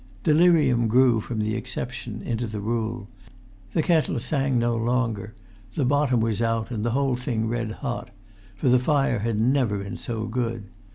Delirium grew from the exception into the rule. The kettle sang no longer; the bottom was out and the whole thing red hot; for the fire had never been so good.